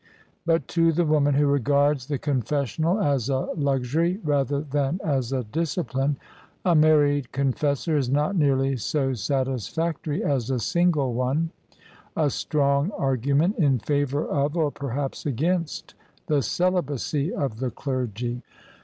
But to the woman who regards the confessional as a luxury rather, than as a discipline, a married confessor is not nearly so satisfactory as a single one; a strong argument in favour of (or, perhaps, against) the celibacy of the clergy.